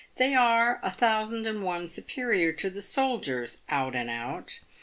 They are a thousand and one superior to the soldiers, out and out.